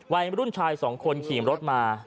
วัยรุ่นชายสองคนขี่รถมา